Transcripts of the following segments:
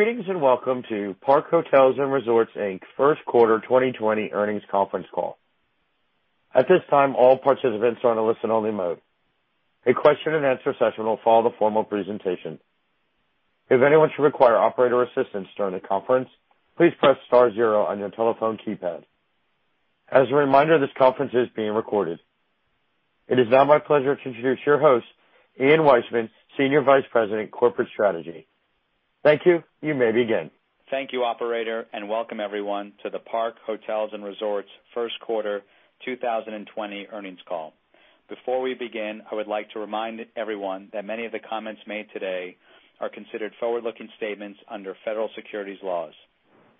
Greetings, welcome to Park Hotels & Resorts Inc.'s first quarter 2020 earnings conference call. At this time, all participants are in a listen-only mode. A question and answer session will follow the formal presentation. If anyone should require operator assistance during the conference, please press star zero on your telephone keypad. As a reminder, this conference is being recorded. It is now my pleasure to introduce your host, Ian Weissman, Senior Vice President, Corporate Strategy. Thank you. You may begin. Thank you, operator, and welcome everyone to the Park Hotels & Resorts first quarter 2020 earnings call. Before we begin, I would like to remind everyone that many of the comments made today are considered forward-looking statements under federal securities laws.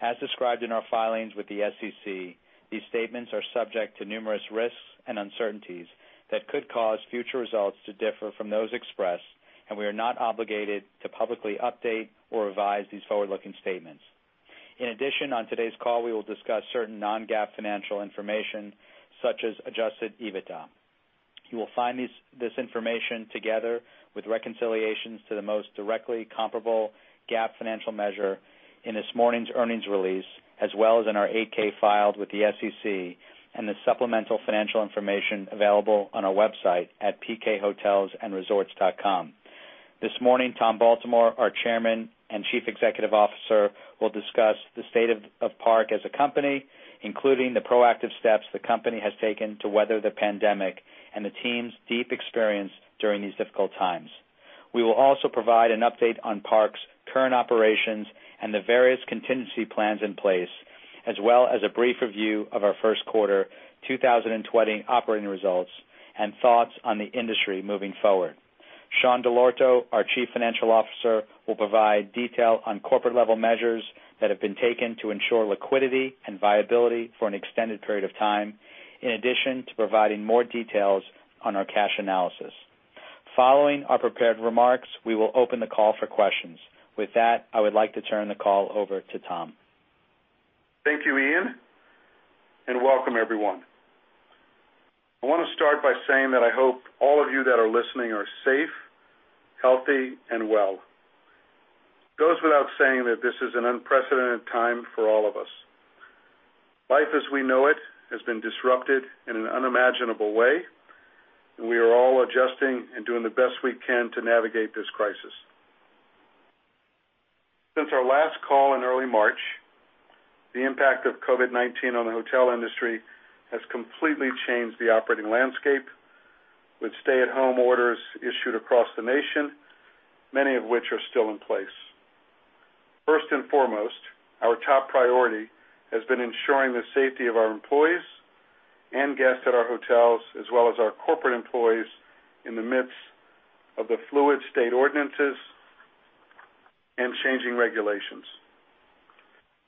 As described in our filings with the SEC, these statements are subject to numerous risks and uncertainties that could cause future results to differ from those expressed, and we are not obligated to publicly update or revise these forward-looking statements. In addition, on today's call, we will discuss certain non-GAAP financial information, such as adjusted EBITDA. You will find this information together with reconciliations to the most directly comparable GAAP financial measure in this morning's earnings release, as well as in our 8-K filed with the SEC and the supplemental financial information available on our website at pkhotelsandresorts.com. This morning, Tom Baltimore, our Chairman and Chief Executive Officer, will discuss the state of Park as a company, including the proactive steps the company has taken to weather the pandemic and the team's deep experience during these difficult times. We will also provide an update on Park's current operations and the various contingency plans in place, as well as a brief review of our first quarter 2020 operating results and thoughts on the industry moving forward. Sean Dell'Orto, our Chief Financial Officer, will provide detail on corporate-level measures that have been taken to ensure liquidity and viability for an extended period of time, in addition to providing more details on our cash analysis. Following our prepared remarks, we will open the call for questions. With that, I would like to turn the call over to Tom. Thank you, Ian, and welcome everyone. I want to start by saying that I hope all of you that are listening are safe, healthy, and well. It goes without saying that this is an unprecedented time for all of us. Life as we know it has been disrupted in an unimaginable way, and we are all adjusting and doing the best we can to navigate this crisis. Since our last call in early March, the impact of COVID-19 on the hotel industry has completely changed the operating landscape, with stay-at-home orders issued across the nation, many of which are still in place. First and foremost, our top priority has been ensuring the safety of our employees and guests at our hotels, as well as our corporate employees in the midst of the fluid state ordinances and changing regulations.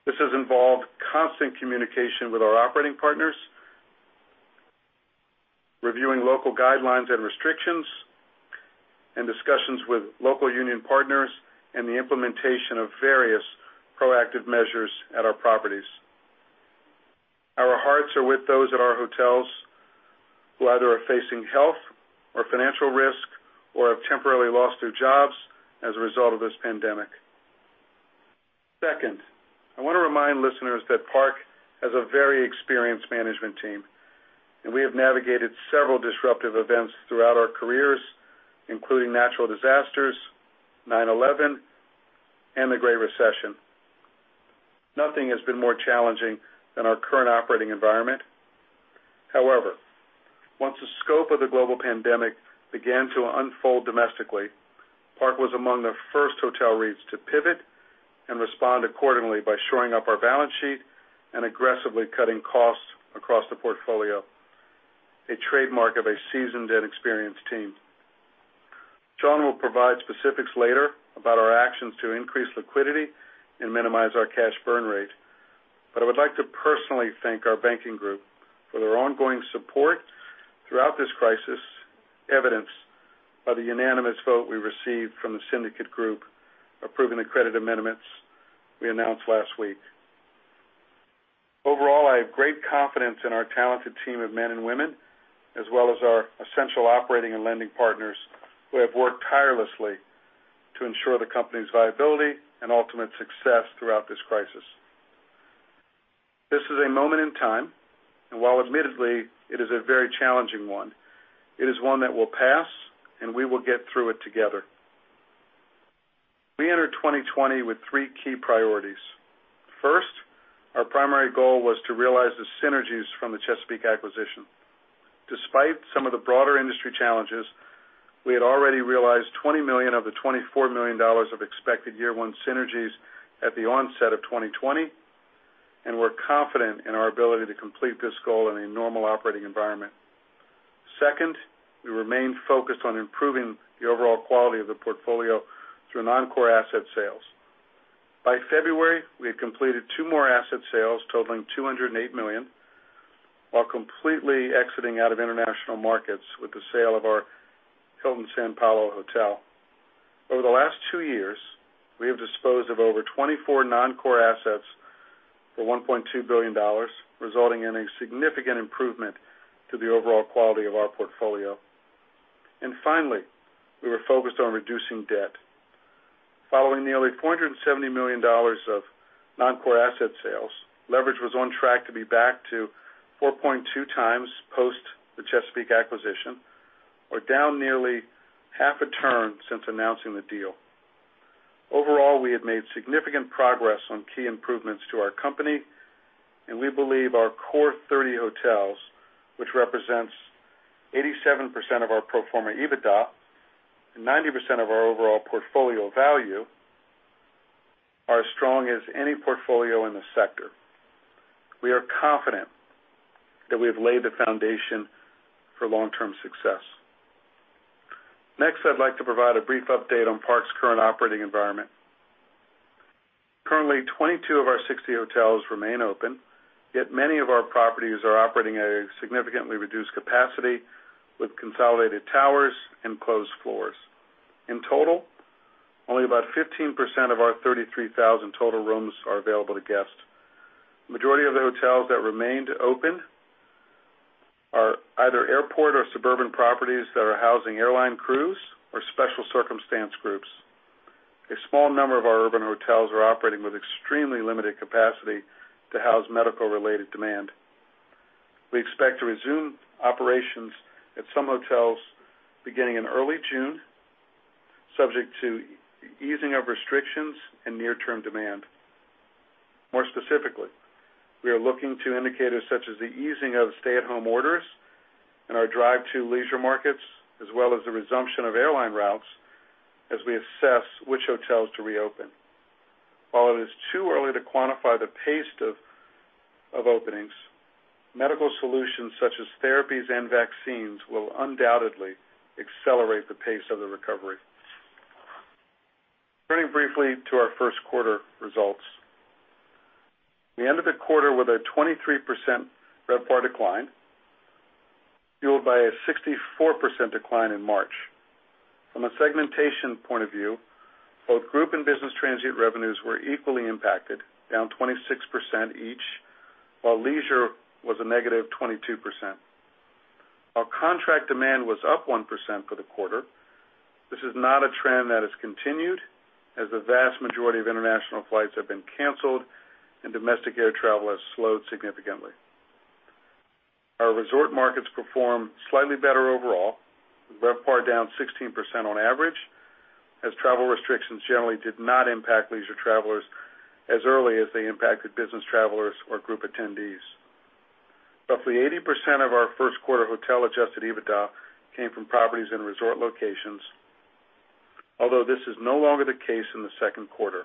This has involved constant communication with our operating partners, reviewing local guidelines and restrictions, and discussions with local union partners, and the implementation of various proactive measures at our properties. Our hearts are with those at our hotels who either are facing health or financial risk or have temporarily lost their jobs as a result of this pandemic. I want to remind listeners that Park has a very experienced management team, and we have navigated several disruptive events throughout our careers, including natural disasters, 9/11, and the Great Recession. Nothing has been more challenging than our current operating environment. Once the scope of the global pandemic began to unfold domestically, Park was among the first hotel REITs to pivot and respond accordingly by shoring up our balance sheet and aggressively cutting costs across the portfolio, a trademark of a seasoned and experienced team. Sean will provide specifics later about our actions to increase liquidity and minimize our cash burn rate. I would like to personally thank our banking group for their ongoing support throughout this crisis, evidenced by the unanimous vote we received from the syndicate group approving the credit amendments we announced last week. Overall, I have great confidence in our talented team of men and women, as well as our essential operating and lending partners who have worked tirelessly to ensure the company's viability and ultimate success throughout this crisis. This is a moment in time, and while admittedly, it is a very challenging one, it is one that will pass, and we will get through it together. We entered 2020 with three key priorities. First, our primary goal was to realize the synergies from the Chesapeake acquisition. Despite some of the broader industry challenges, we had already realized $20 million of the $24 million of expected year one synergies at the onset of 2020, and we're confident in our ability to complete this goal in a normal operating environment. Second, we remained focused on improving the overall quality of the portfolio through non-core asset sales. By February, we had completed two more asset sales totaling $208 million, while completely exiting out of international markets with the sale of our Hilton São Paulo Morumbi hotel. Over the last two years, we have disposed of over 24 non-core assets for $1.2 billion, resulting in a significant improvement to the overall quality of our portfolio. Finally, we were focused on reducing debt. Following nearly $470 million of non-core asset sales, leverage was on track to be back to 4.2x post the Chesapeake acquisition. We're down nearly half a turn since announcing the deal. Overall, we have made significant progress on key improvements to our company, and we believe our core 30 hotels, which represents 87% of our pro forma EBITDA and 90% of our overall portfolio value, are as strong as any portfolio in the sector. We are confident that we have laid the foundation for long-term success. Next, I'd like to provide a brief update on Park's current operating environment. Currently, 22 of our 60 hotels remain open, yet many of our properties are operating at a significantly reduced capacity with consolidated towers and closed floors. In total, only about 15% of our 33,000 total rooms are available to guests. Majority of the hotels that remained open are either airport or suburban properties that are housing airline crews or special circumstance groups. A small number of our urban hotels are operating with extremely limited capacity to house medical-related demand. We expect to resume operations at some hotels beginning in early June, subject to easing of restrictions and near-term demand. More specifically, we are looking to indicators such as the easing of stay-at-home orders in our drive-to leisure markets, as well as the resumption of airline routes as we assess which hotels to reopen. While it is too early to quantify the pace of openings, medical solutions such as therapies and vaccines will undoubtedly accelerate the pace of the recovery. Turning briefly to our first quarter results. We end the quarter with a 23% RevPAR decline, fueled by a 64% decline in March. From a segmentation point of view, both group and business transient revenues were equally impacted, down 26% each, while leisure was a -22%. Our contract demand was up 1% for the quarter. This is not a trend that has continued, as the vast majority of international flights have been canceled and domestic air travel has slowed significantly. Our resort markets performed slightly better overall, with RevPAR down 16% on average, as travel restrictions generally did not impact leisure travelers as early as they impacted business travelers or group attendees. Roughly 80% of our first quarter hotel adjusted EBITDA came from properties in resort locations, although this is no longer the case in the second quarter.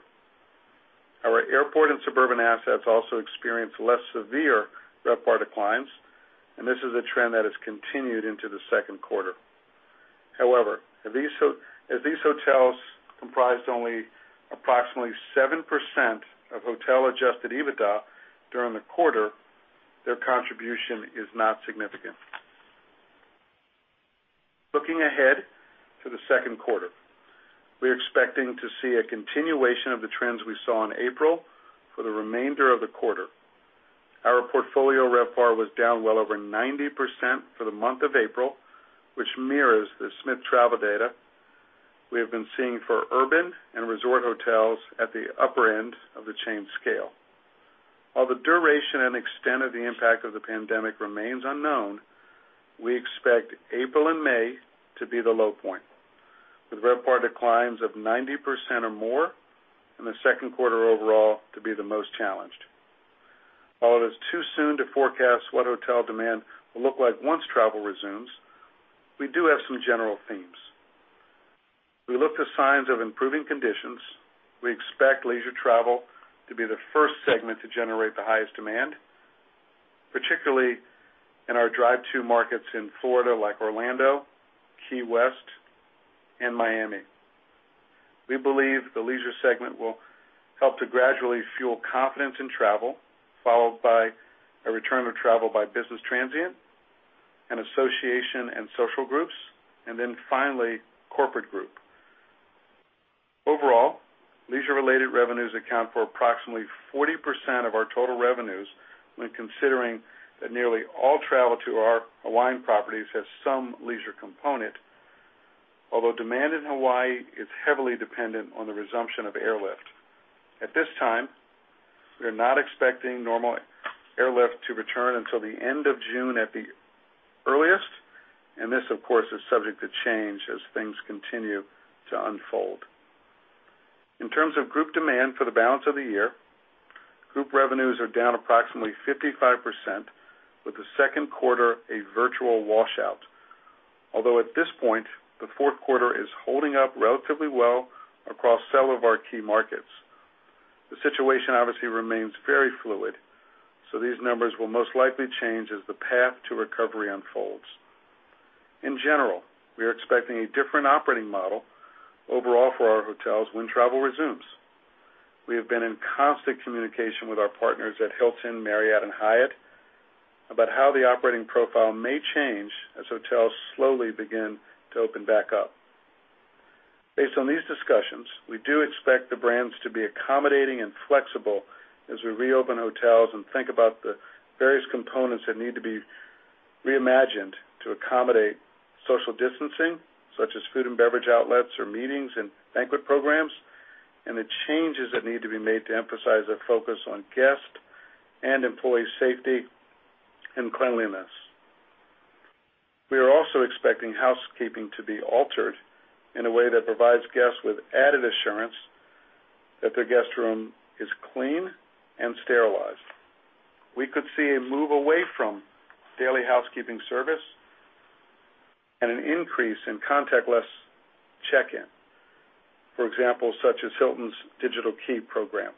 Our airport and suburban assets also experienced less severe RevPAR declines. This is a trend that has continued into the second quarter. As these hotels comprised only approximately 7% of hotel adjusted EBITDA during the quarter, their contribution is not significant. Looking ahead to the second quarter, we're expecting to see a continuation of the trends we saw in April for the remainder of the quarter. Our portfolio RevPAR was down well over 90% for the month of April, which mirrors the Smith Travel data we have been seeing for urban and resort hotels at the upper end of the chain scale. While the duration and extent of the impact of the pandemic remains unknown, we expect April and May to be the low point, with RevPAR declines of 90% or more in the second quarter overall to be the most challenged. While it is too soon to forecast what hotel demand will look like once travel resumes, we do have some general themes. We look to signs of improving conditions. We expect leisure travel to be the first segment to generate the highest demand, particularly in our drive-to markets in Florida, like Orlando, Key West, and Miami. We believe the leisure segment will help to gradually fuel confidence in travel, followed by a return of travel by business transient and association and social groups, and then finally, corporate group. Overall, leisure-related revenues account for approximately 40% of our total revenues when considering that nearly all travel to our Hawaiian properties has some leisure component, although demand in Hawaii is heavily dependent on the resumption of airlift. At this time, we are not expecting normal airlift to return until the end of June at the earliest, and this, of course, is subject to change as things continue to unfold. In terms of group demand for the balance of the year, group revenues are down approximately 55%, with the second quarter a virtual washout. Although at this point, the fourth quarter is holding up relatively well across several of our key markets. The situation obviously remains very fluid, so these numbers will most likely change as the path to recovery unfolds. In general, we are expecting a different operating model overall for our hotels when travel resumes. We have been in constant communication with our partners at Hilton, Marriott, and Hyatt about how the operating profile may change as hotels slowly begin to open back up. Based on these discussions, we do expect the brands to be accommodating and flexible as we reopen hotels and think about the various components that need to be reimagined to accommodate social distancing, such as food and beverage outlets or meetings and banquet programs, and the changes that need to be made to emphasize a focus on guest and employee safety and cleanliness. We are also expecting housekeeping to be altered in a way that provides guests with added assurance that their guest room is clean and sterilized. We could see a move away from daily housekeeping service and an increase in contactless check-in. For example, such as Hilton's Digital Key program.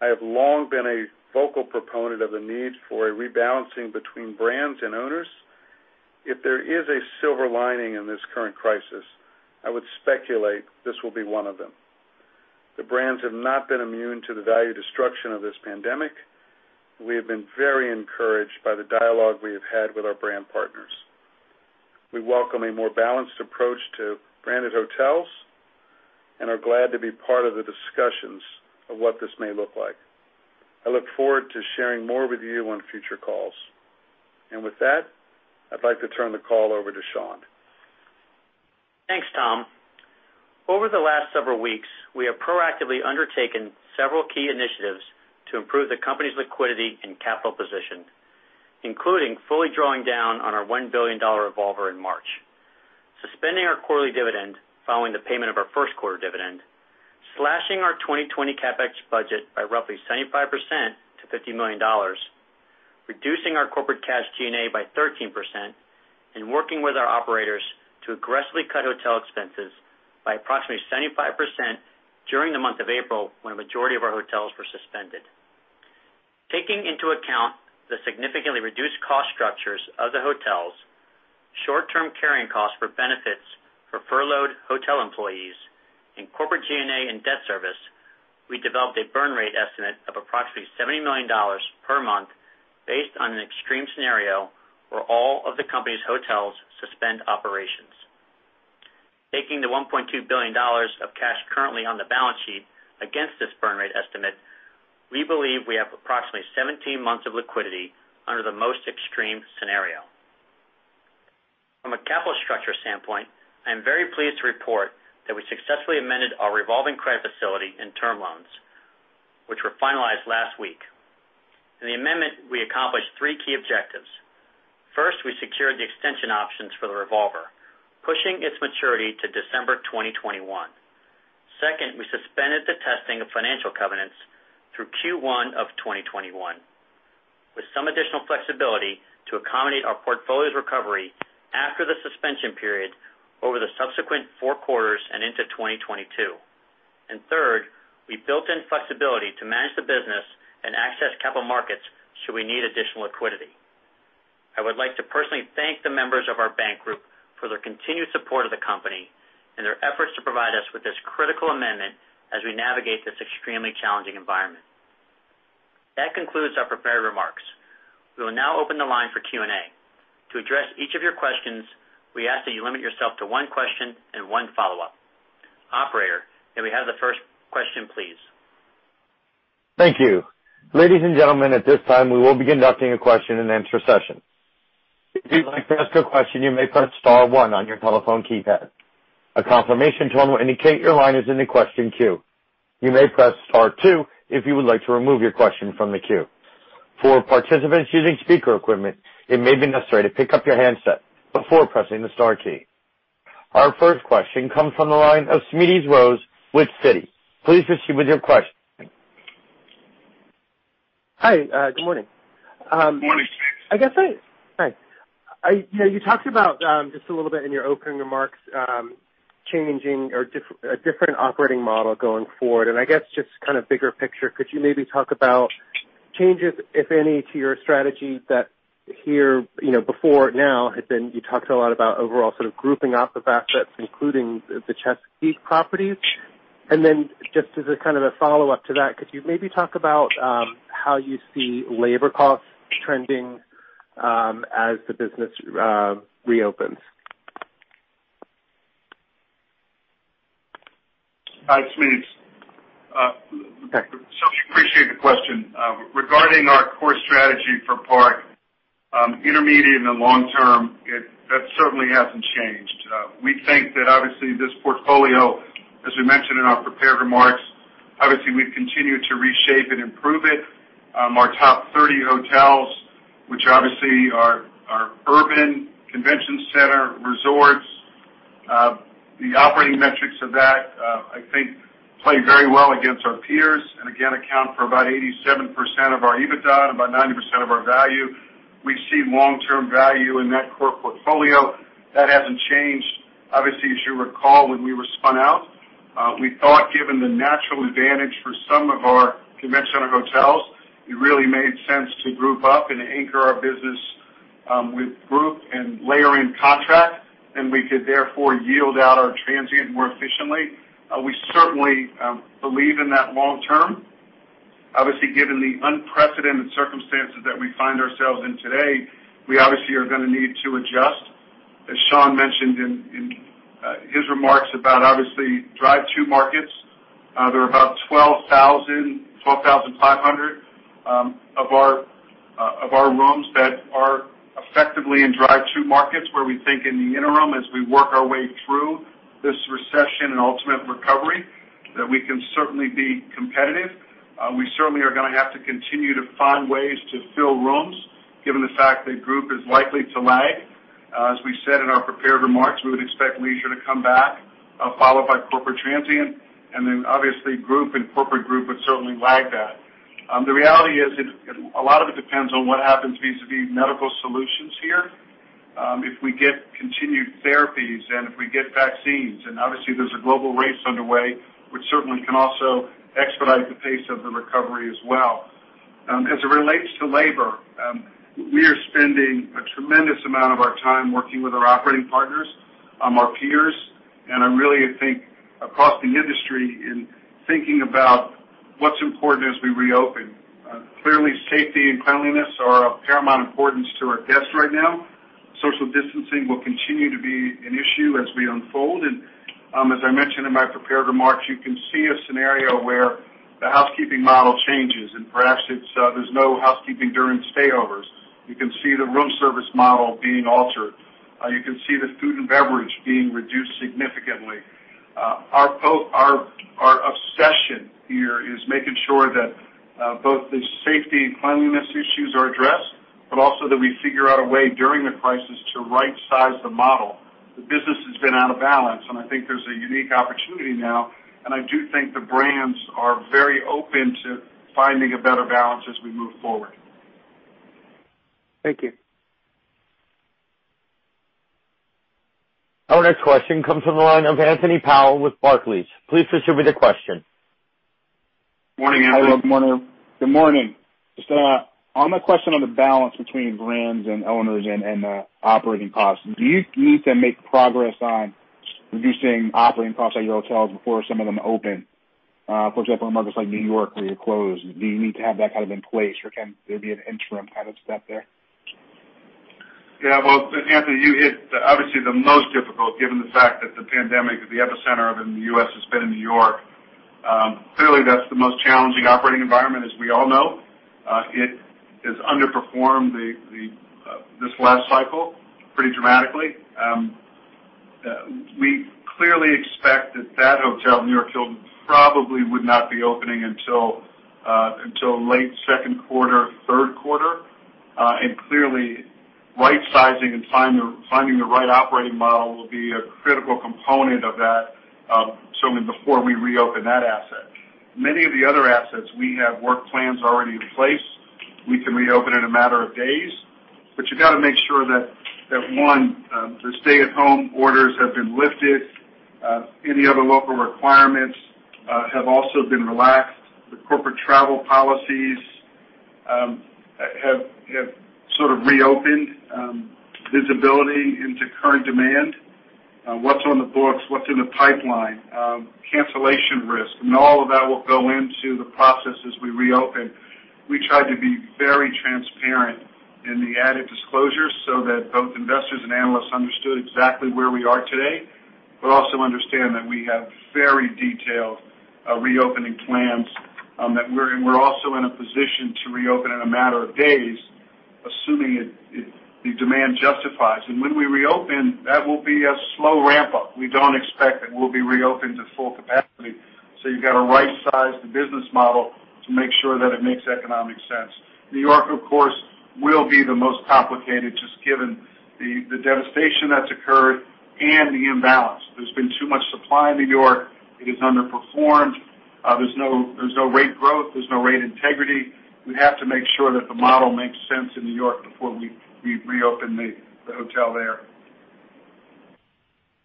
I have long been a vocal proponent of the need for a rebalancing between brands and owners. If there is a silver lining in this current crisis, I would speculate this will be one of them. The brands have not been immune to the value destruction of this pandemic. We have been very encouraged by the dialogue we have had with our brand partners. We welcome a more balanced approach to branded hotels and are glad to be part of the discussions of what this may look like. I look forward to sharing more with you on future calls. With that, I'd like to turn the call over to Sean. Thanks, Tom. Over the last several weeks, we have proactively undertaken several key initiatives to improve the company's liquidity and capital position, including fully drawing down on our $1 billion revolver in March, suspending our quarterly dividend following the payment of our first quarter dividend, slashing our 2020 CapEx budget by roughly 75% to $50 million, reducing our corporate cash G&A by 13%, and working with our operators to aggressively cut hotel expenses by approximately 75% during the month of April, when a majority of our hotels were suspended. Taking into account the significantly reduced cost structures of the hotels, short-term carrying costs for benefits for furloughed hotel employees, and corporate G&A and debt service, we developed a burn rate estimate of approximately $70 million per month based on an extreme scenario where all of the company's hotels suspend operations. Taking the $1.2 billion of cash currently on the balance sheet against this burn rate estimate, we believe we have approximately 17 months of liquidity under the most extreme scenario. From a capital structure standpoint, I am very pleased to report that we successfully amended our revolving credit facility and term loans, which were finalized last week. In the amendment, we accomplished three key objectives. First, we secured the extension options for the revolver, pushing its maturity to December 2021. Second, we suspended the testing of financial covenants through Q1 of 2021, with some additional flexibility to accommodate our portfolio's recovery after the suspension period over the subsequent four quarters and into 2022. Third, we built in flexibility to manage the business and access capital markets should we need additional liquidity. I would like to personally thank the members of our bank group for their continued support of the company and their efforts to provide us with this critical amendment as we navigate this extremely challenging environment. That concludes our prepared remarks. We will now open the line for Q&A. To address each of your questions, we ask that you limit yourself to one question and one follow-up. Operator, may we have the first question, please? Thank you. Ladies and gentlemen, at this time, we will begin conducting a question-and-answer session. If you'd like to ask a question, you may press star one on your telephone keypad. A confirmation tone will indicate your line is in the question queue. You may press star two if you would like to remove your question from the queue. For participants using speaker equipment, it may be necessary to pick up your handset before pressing the star key. Our first question comes from the line of Smedes Rose with Citi. Please proceed with your question. Hi, good morning. Morning, Smedes. Hi. You talked about, just a little bit in your opening remarks, changing or a different operating model going forward. I guess just kind of bigger picture, could you maybe talk about changes, if any, to your strategy that here, before now had been you talked a lot about overall sort of grouping up the assets, including the Chesapeake properties? Just as a kind of a follow-up to that, could you maybe talk about how you see labor costs trending as the business reopens? Hi, Smedes. Okay. Appreciate the question. Regarding our core strategy for Park, intermediate and long-term, that certainly hasn't changed. We think that obviously this portfolio, as we mentioned in our prepared remarks, obviously we've continued to reshape and improve it. Our top 30 hotels, which obviously are urban convention center resorts, the operating metrics of that I think play very well against our peers and again account for about 87% of our EBITDA and about 90% of our value. We see long-term value in that core portfolio. That hasn't changed. Obviously, as you recall, when we were spun out, we thought given the natural advantage for some of our convention center hotels, it really made sense to group up and anchor our business with group and layering contracts, and we could therefore yield out our transient more efficiently. We certainly believe in that long term. Obviously, given the unprecedented circumstances that we find ourselves in today, we obviously are going to need to adjust. As Sean mentioned in his remarks about obviously drive-to markets, there are about 12,500 of our rooms that are effectively in drive-to markets, where we think in the interim, as we work our way through this recession and ultimate recovery, that we can certainly be competitive. We certainly are going to have to continue to find ways to fill rooms, given the fact that group is likely to lag. As we said in our prepared remarks, we would expect leisure to come back, followed by corporate transient, and then obviously group and corporate group would certainly lag that. The reality is, a lot of it depends on what happens vis-à-vis medical solutions here. If we get continued therapies and if we get vaccines, and obviously there's a global race underway, which certainly can also expedite the pace of the recovery as well. As it relates to labor, we are spending a tremendous amount of our time working with our operating partners, our peers, and I really think across the industry in thinking about what's important as we reopen. Clearly, safety and cleanliness are of paramount importance to our guests right now. Social distancing will continue to be an issue as we unfold, and as I mentioned in my prepared remarks, you can see a scenario where the housekeeping model changes, and perhaps there's no housekeeping during stayovers. You can see the room service model being altered. You can see the food and beverage being reduced significantly. Our obsession here is making sure that both the safety and cleanliness issues are addressed, but also that we figure out a way during the crisis to right-size the model. The business has been out of balance. I think there's a unique opportunity now. I do think the brands are very open to finding a better balance as we move forward. Thank you. Our next question comes from the line of Anthony Powell with Barclays. Please distribute the question. Morning, Anthony. Hello. Morning. Good morning. Just on the question on the balance between brands and owners and the operating costs, do you need to make progress on reducing operating costs at your hotels before some of them open? For example, in markets like New York where you're closed, do you need to have that kind of in place or can there be an interim kind of step there? Yeah. Well, Anthony, you hit obviously the most difficult given the fact that the pandemic, the epicenter of it in the U.S. has been in New York. Clearly, that's the most challenging operating environment, as we all know. It has underperformed this last cycle pretty dramatically. We clearly expect that that hotel, New York Hilton, probably would not be opening until late second quarter, third quarter. Clearly, right sizing and finding the right operating model will be a critical component of that, certainly before we reopen that asset. Many of the other assets, we have work plans already in place. We can reopen in a matter of days. You got to make sure that, one, the stay-at-home orders have been lifted, any other local requirements have also been relaxed, the corporate travel policies have sort of reopened visibility into current demand. What's on the books, what's in the pipeline, cancellation risk, and all of that will go into the process as we reopen. We tried to be very transparent in the added disclosure so that both investors and analysts understood exactly where we are today. Also understand that we have very detailed reopening plans, and we're also in a position to reopen in a matter of days, assuming the demand justifies. When we reopen, that will be a slow ramp-up. We don't expect that we'll be reopened to full capacity. You've got to right-size the business model to make sure that it makes economic sense. New York, of course, will be the most complicated, just given the devastation that's occurred and the imbalance. There's been too much supply in New York. It has underperformed. There's no rate growth. There's no rate integrity. We have to make sure that the model makes sense in New York before we reopen the hotel there.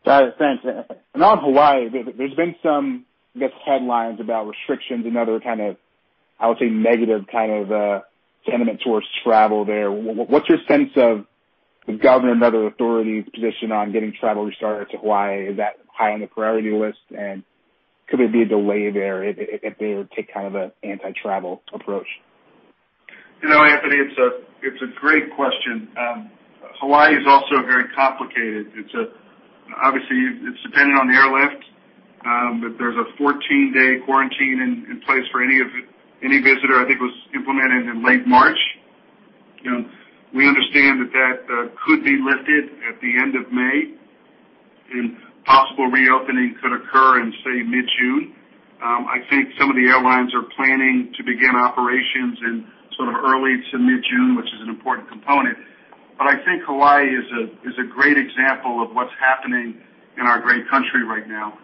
Got it. Thanks, Tom. On Hawaii, there's been some, I guess, headlines about restrictions and other kind of, I would say, negative kind of sentiment towards travel there. What's your sense of the governor and other authorities' position on getting travel restarted to Hawaii? Is that high on the priority list? Could there be a delay there if they take kind of an anti-travel approach? You know, Anthony, it's a great question. Hawaii is also very complicated. Obviously, it's dependent on the airlift, but there's a 14-day quarantine in place for any visitor. I think it was implemented in late March. We understand that that could be lifted at the end of May, and possible reopening could occur in, say, mid-June. I think some of the airlines are planning to begin operations in sort of early to mid-June, which is an important component. I think Hawaii is a great example of what's happening in our great country right now.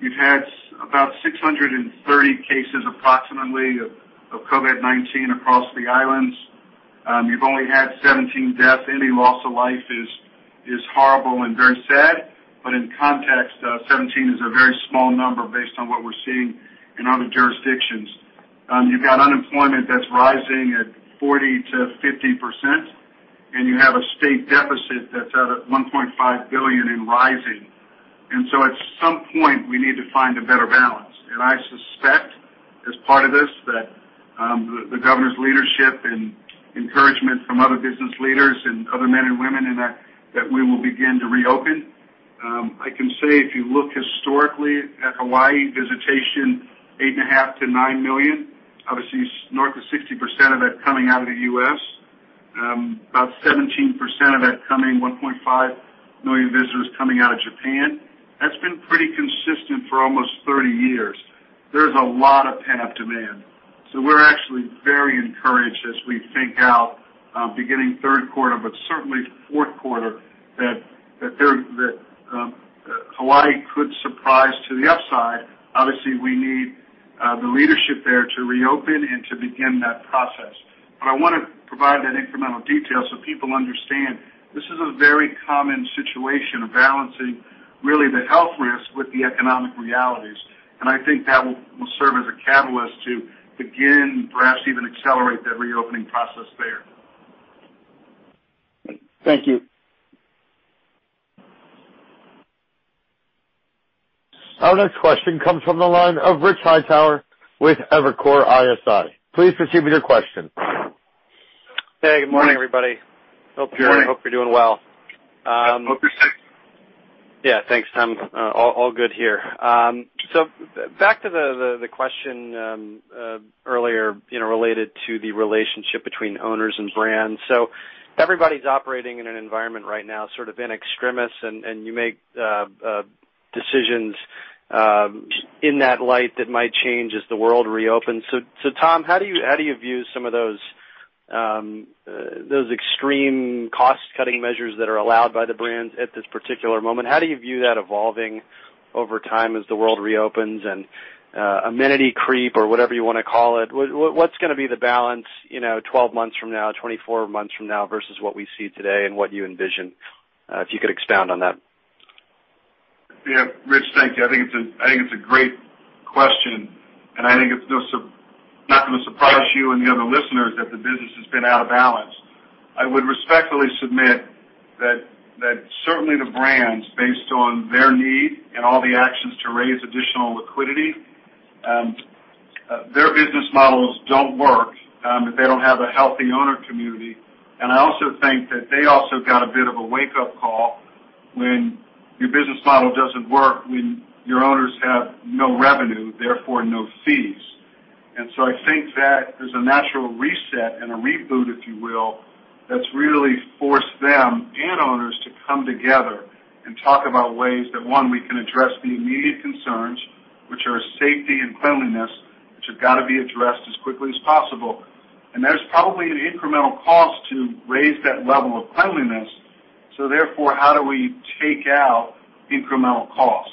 You've had about 630 cases approximately of COVID-19 across the islands. You've only had 17 deaths. Any loss of life is horrible and very sad, but in context, 17 is a very small number based on what we're seeing in other jurisdictions. You've got unemployment that's rising at 40%-50%, and you have a state deficit that's at $1.5 billion and rising. At some point, we need to find a better balance. I suspect as part of this that the governor's leadership and encouragement from other business leaders and other men and women in that, we will begin to reopen. I can say, if you look historically at Hawaii visitation, 8.5 million-9 million, obviously north of 60% of it coming out of the U.S., about 17% of that coming, 1.5 million visitors coming out of Japan. That's been pretty consistent for almost 30 years. There's a lot of pent-up demand. We're actually very encouraged as we think out beginning third quarter, but certainly fourth quarter that Hawaii could surprise to the upside. Obviously, we need the leadership there to reopen and to begin that process. I want to provide that incremental detail so people understand this is a very common situation of balancing really the health risk with the economic realities. I think that will serve as a catalyst to begin, perhaps even accelerate that reopening process there. Thank you. Our next question comes from the line of Rich Hightower with Evercore ISI. Please proceed with your question. Hey, good morning, everybody. Good morning. Hope you're doing well. I hope you're safe. Yeah, thanks, Tom. All good here. Back to the question earlier related to the relationship between owners and brands. Everybody's operating in an environment right now, sort of in extremis, and you make decisions in that light that might change as the world reopens. Tom, how do you view some of those extreme cost-cutting measures that are allowed by the brands at this particular moment? How do you view that evolving over time as the world reopens and amenity creep or whatever you want to call it? What's going to be the balance 12 months from now, 24 months from now, versus what we see today and what you envision? If you could expound on that. Rich, thank you. I think it's a great question. I think it's not going to surprise you and the other listeners that the business has been out of balance. I would respectfully submit that certainly the brands, based on their need and all the actions to raise additional liquidity, their business models don't work if they don't have a healthy owner community. I also think that they also got a bit of a wake-up call when your business model doesn't work, when your owners have no revenue, therefore, no fees. I think that there's a natural reset and a reboot, if you will, that's really forced them and owners to come together and talk about ways that, one, we can address the immediate concerns, which are safety and cleanliness, which have got to be addressed as quickly as possible. There's probably an incremental cost to raise that level of cleanliness. Therefore, how do we take out incremental cost?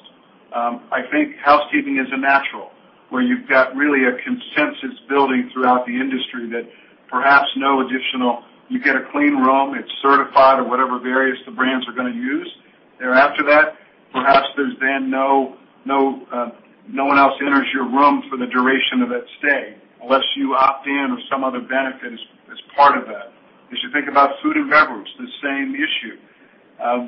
I think housekeeping is a natural, where you've got really a consensus building throughout the industry that perhaps no additional-- You get a clean room, it's certified or whatever various the brands are going to use. Thereafter that, perhaps there's then no one else enters your room for the duration of that stay unless you opt in or some other benefit is part of that. As you think about food and beverage, the same issue.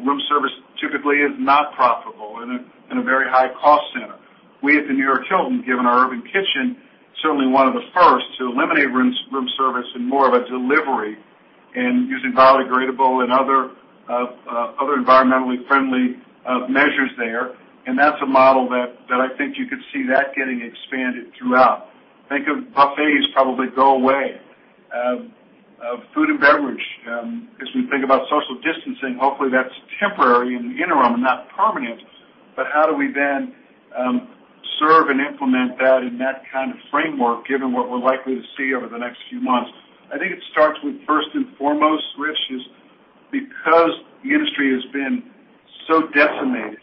Room service typically is not profitable and a very high cost center. We at the New York Hilton, given our Herb N' Kitchen, certainly one of the first to eliminate room service and more of a delivery and using biodegradable and other environmentally friendly measures there. That's a model that I think you could see that getting expanded throughout. Think of buffets probably go away. Food and beverage as we think about social distancing, hopefully, that's temporary in the interim and not permanent. How do we then serve and implement that in that kind of framework, given what we're likely to see over the next few months? I think it starts with first and foremost, Rich, is because the industry has been so decimated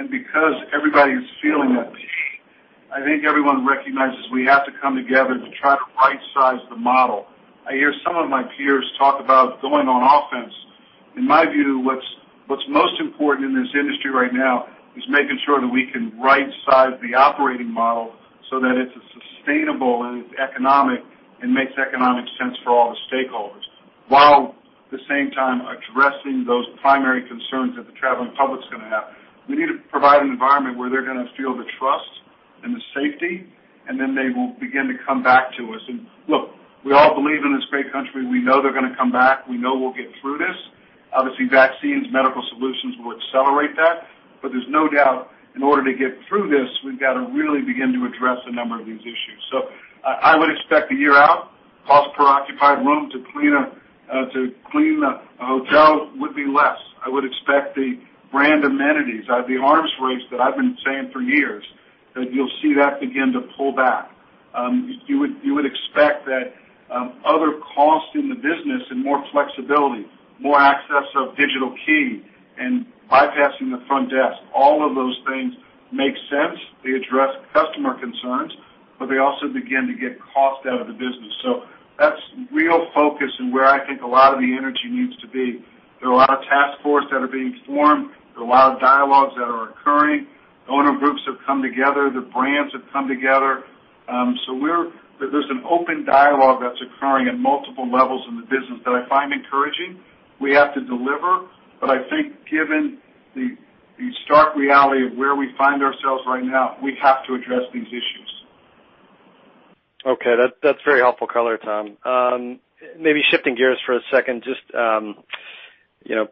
and because everybody's feeling that pinch, I think everyone recognizes we have to come together to try to right size the model. I hear some of my peers talk about going on offense. In my view, what's most important in this industry right now is making sure that we can right size the operating model so that it's sustainable and it's economic and makes economic sense for all the stakeholders, while at the same time addressing those primary concerns that the traveling public's going to have. We need to provide an environment where they're going to feel the trust and the safety. Then they will begin to come back to us. Look, we all believe in this great country. We know they're going to come back. We know we'll get through this. Obviously, vaccines, medical solutions will accelerate that. There's no doubt in order to get through this, we've got to really begin to address a number of these issues. I would expect a year out, cost per occupied room to clean a hotel would be less. I would expect the brand amenities, the arms race that I've been saying for years, that you'll see that begin to pull back. You would expect that other costs in the business and more flexibility, more access of Digital Key, and bypassing the front desk, all of those things make sense. That's real focus and where I think a lot of the energy needs to be. There are a lot of task forces that are being formed. There are a lot of dialogues that are occurring. Owner groups have come together, the brands have come together. There's an open dialogue that's occurring at multiple levels in the business that I find encouraging. We have to deliver, but I think given the stark reality of where we find ourselves right now, we have to address these issues. Okay. That's very helpful color, Tom. Maybe shifting gears for a second, just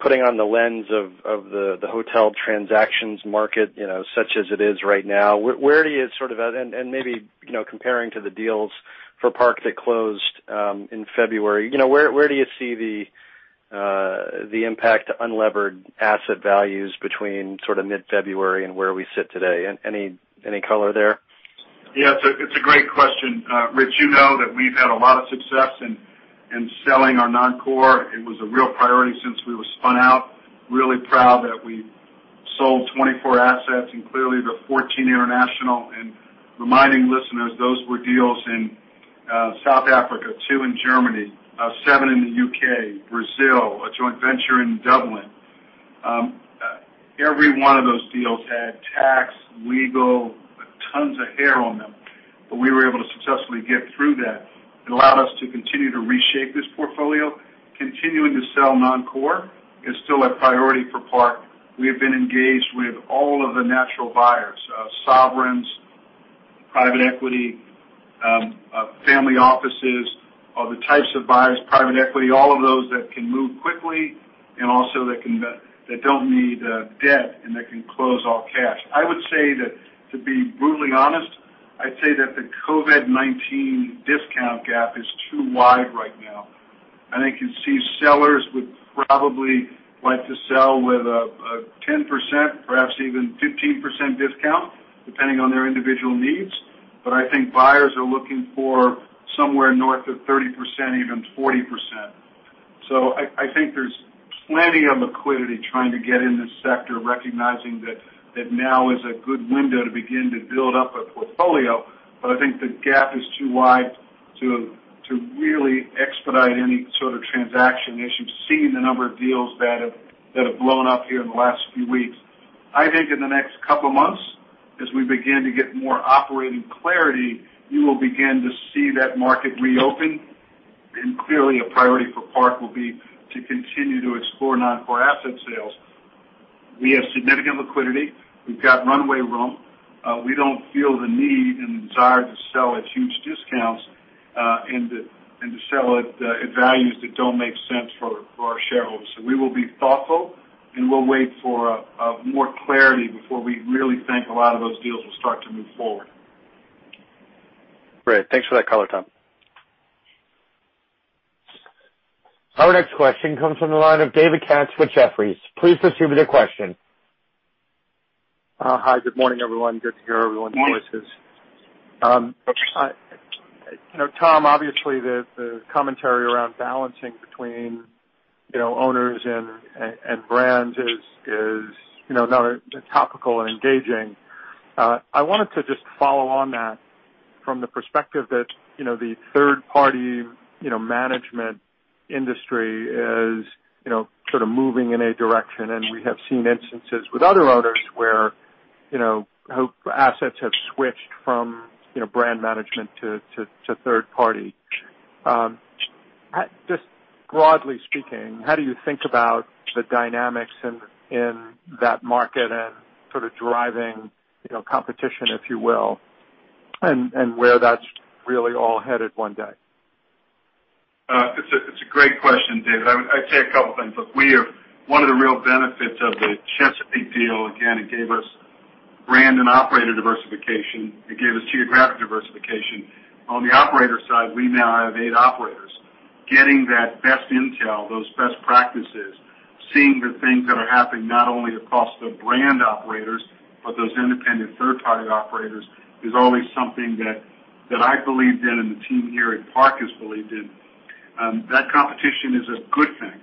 putting on the lens of the hotel transactions market, such as it is right now, and maybe comparing to the deals for Park that closed in February, where do you see the impact to unlevered asset values between mid-February and where we sit today? Any color there? Yeah. It's a great question, Rich. You know that we've had a lot of success in selling our non-core. It was a real priority since we were spun out. Really proud that we sold 24 assets, and clearly the 14 international, and reminding listeners, those were deals in South Africa, two in Germany, seven in the U.K., Brazil, a joint venture in Dublin. Every one of those deals had tax, legal, tons of hair on them, but we were able to successfully get through that. It allowed us to continue to reshape this portfolio. Continuing to sell non-core is still a priority for Park. We have been engaged with all of the natural buyers, sovereigns, private equity, family offices. All the types of buyers, private equity, all of those that can move quickly and also that don't need debt, and that can close all cash. I would say that, to be brutally honest, I'd say that the COVID-19 discount gap is too wide right now. I think you see sellers would probably like to sell with a 10%, perhaps even 15% discount, depending on their individual needs. I think buyers are looking for somewhere north of 30%, even 40%. I think there's plenty of liquidity trying to get in this sector, recognizing that now is a good window to begin to build up a portfolio. I think the gap is too wide to really expedite any sort of transaction issue, seeing the number of deals that have blown up here in the last few weeks. I think in the next couple of months, as we begin to get more operating clarity, you will begin to see that market reopen, and clearly a priority for Park will be to continue to explore non-core asset sales. We have significant liquidity. We've got runway room. We don't feel the need and desire to sell at huge discounts, and to sell at values that don't make sense for our shareholders. We will be thoughtful, and we'll wait for more clarity before we really think a lot of those deals will start to move forward. Great. Thanks for that color, Tom. Our next question comes from the line of David Katz with Jefferies. Please proceed with your question. Hi. Good morning, everyone. Good to hear everyone's voices. Morning. Tom, obviously the commentary around balancing between owners and brands is another topical and engaging. We have seen instances with other owners where assets have switched from brand management to third party. Just broadly speaking, how do you think about the dynamics in that market and sort of driving competition, if you will, and where that's really all headed one day? It's a great question, David. I'd say a couple things. Look, one of the real benefits of the Chesapeake deal, again, it gave us brand and operator diversification. It gave us geographic diversification. On the operator side, we now have eight operators. Getting that best intel, those best practices, seeing the things that are happening not only across the brand operators, but those independent third party operators, is always something that I believed in and the team here at Park has believed in. That competition is a good thing.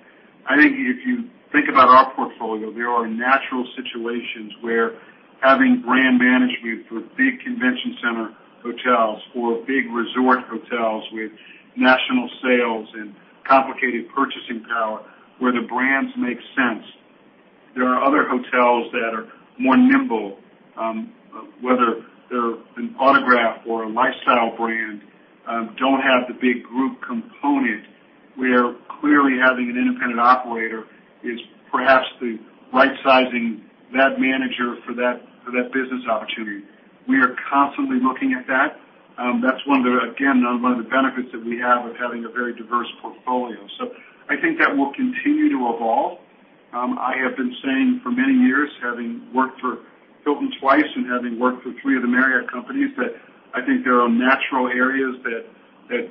I think if you think about our portfolio, there are natural situations where having brand management for big convention center hotels or big resort hotels with national sales and complicated purchasing power, where the brands make sense. There are other hotels that are more nimble, whether they're an Autograph or a Lifestyle brand, don't have the big group component, where clearly having an independent operator is perhaps the right sizing that manager for that business opportunity. We are constantly looking at that. That's, again, one of the benefits that we have of having a very diverse portfolio. I think that will continue to evolve. I have been saying for many years, having worked for Hilton twice and having worked for three of the Marriott companies, that I think there are natural areas that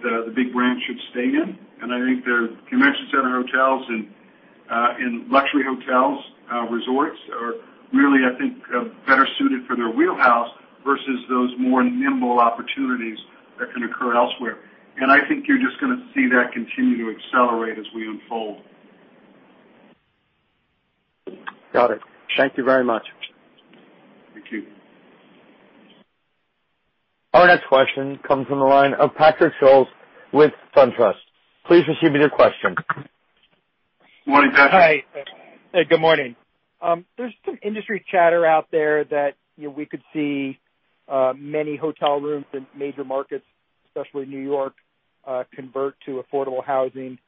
the big brands should stay in, and I think their convention center hotels and luxury hotels, resorts are really, I think, better suited for their wheelhouse versus those more nimble opportunities that can occur elsewhere. I think you're just going to see that continue to accelerate as we unfold. Got it. Thank you very much. Thank you. Our next question comes from the line of Patrick Scholes with SunTrust. Please proceed with your question. Good morning, Patrick. Hi. Good morning. There's some industry chatter out there that we could see many hotel rooms in major markets, especially New York, convert to affordable housing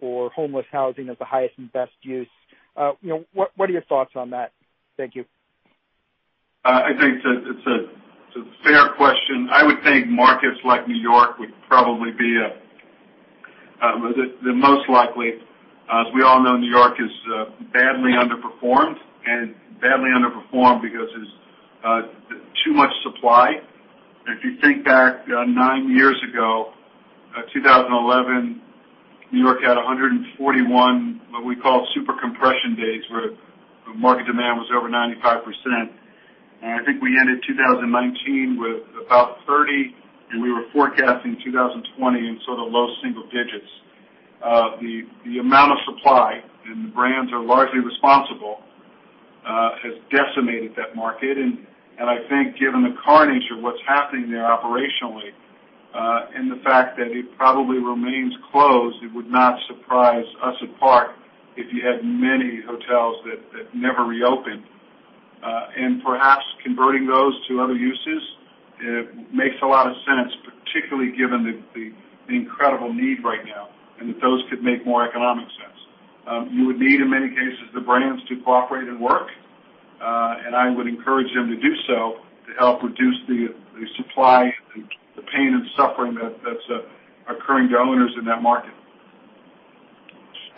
or homeless housing as the highest and best use. What are your thoughts on that? Thank you. I think it's a fair question. I would think markets like New York would probably be the most likely. As we all know, New York is badly underperformed, and badly underperformed because there's too much supply. If you think back nine years ago, 2011, New York had 141, what we call super compression days, where market demand was over 95%. I think we ended 2019 with about 30, and we were forecasting 2020 in low single digits. The amount of supply, and the brands are largely responsible, has decimated that market, and I think given the carnage of what's happening there operationally, and the fact that it probably remains closed, it would not surprise us at Park if you had many hotels that never reopen. Perhaps converting those to other uses makes a lot of sense, particularly given the incredible need right now, and that those could make more economic sense. You would need, in many cases, the brands to cooperate and work. I would encourage them to do so to help reduce the supply and the pain and suffering that's occurring to owners in that market.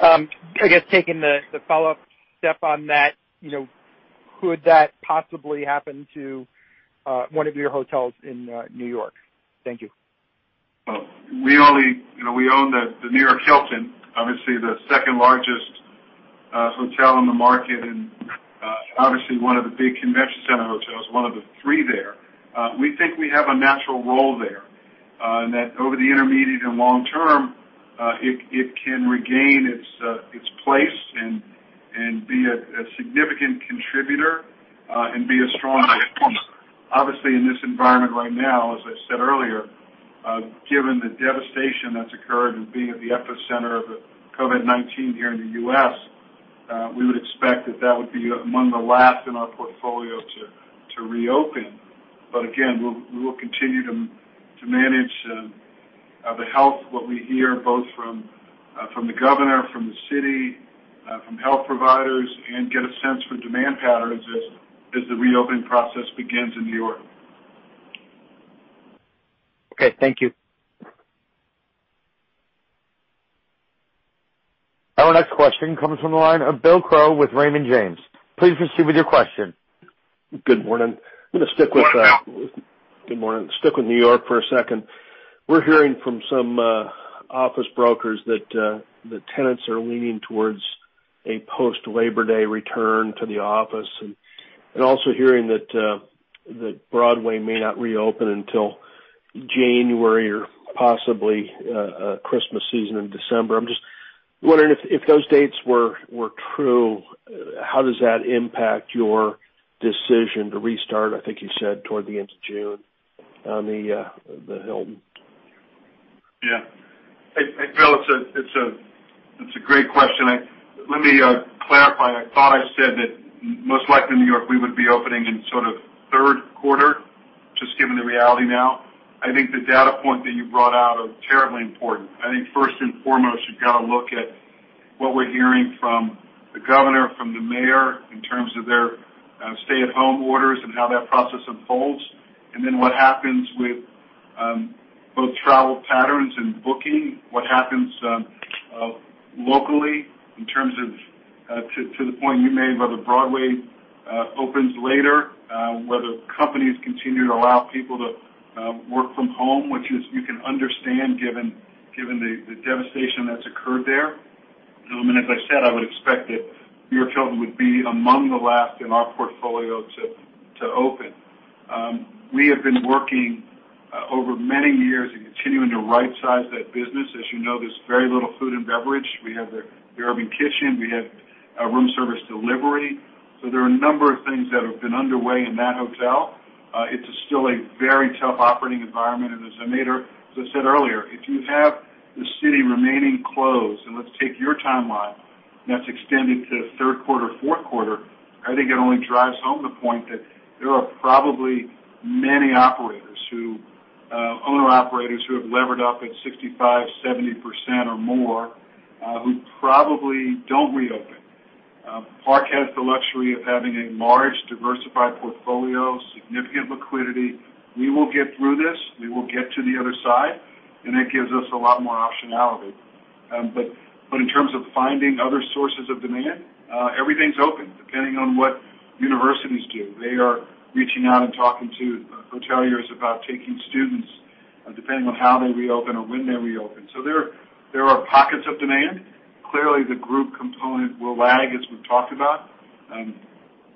I guess, taking the follow-up step on that, could that possibly happen to one of your hotels in New York? Thank you. We own the New York Hilton, obviously the second-largest hotel on the market and obviously one of the big convention center hotels, one of the three there. We think we have a natural role there, in that over the intermediate and long term, it can regain its place and be a significant contributor, and be a strong component. Obviously, in this environment right now, as I said earlier, given the devastation that's occurred and being at the epicenter of COVID-19 here in the U.S., we would expect that that would be among the last in our portfolio to reopen. Again, we will continue to manage the health of what we hear, both from the governor, from the city, from health providers, and get a sense for demand patterns as the reopening process begins in New York. Okay, thank you. Our next question comes from the line of Bill Crow with Raymond James. Please proceed with your question. Good morning. Good morning. Good morning. Stick with New York for a second. We're hearing from some office brokers that the tenants are leaning towards a post-Labor Day return to the office, and also hearing that Broadway may not reopen until January or possibly Christmas season in December. I'm just wondering if those dates were true, how does that impact your decision to restart, I think you said toward the end of June, on the Hilton? Yeah. Hey, Bill, it's a great question. Let me clarify. I thought I said that most likely New York, we would be opening in third quarter, just given the reality now. I think the data point that you brought out are terribly important. I think first and foremost, you've got to look at what we're hearing from the governor, from the mayor in terms of their stay-at-home orders and how that process unfolds. What happens with both travel patterns and booking, what happens locally in terms of, to the point you made, whether Broadway opens later, whether companies continue to allow people to work from home, which is, you can understand given the devastation that's occurred there. As I said, I would expect that New York Hilton would be among the last in our portfolio to open. We have been working over many years and continuing to right-size that business. As you know, there's very little food and beverage. We have the Herb N' Kitchen. We have room service delivery. There are a number of things that have been underway in that hotel. It's still a very tough operating environment, and as I said earlier, if you have the city remaining closed, and let's take your timeline, and that's extended to third quarter, fourth quarter, I think it only drives home the point that there are probably many owner operators who have levered up at 65%, 70% or more, who probably don't reopen. Park has the luxury of having a large diversified portfolio, significant liquidity. We will get through this. We will get to the other side, and that gives us a lot more optionality. In terms of finding other sources of demand, everything's open depending on what universities do. They are reaching out and talking to hoteliers about taking students, depending on how they reopen or when they reopen. There are pockets of demand. Clearly, the group component will lag, as we've talked about. In